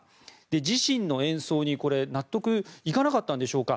自身の演奏に納得いかなかったんでしょうか